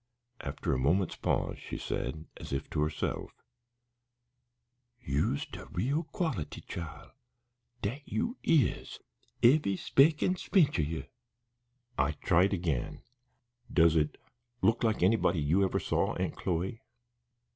After a moment's pause she said, as if to herself: "You's de real quality, chile, dat you is; eve'y spec an' spinch o' ye." I tried again. "Does it look like anybody you ever saw, Aunt Chloe?"